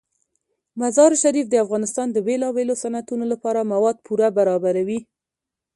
مزارشریف د افغانستان د بیلابیلو صنعتونو لپاره مواد پوره برابروي.